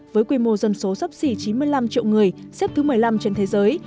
với quy mô dân số sắp xỉ chín mươi năm triệu người xếp thứ một mươi năm trên thế giới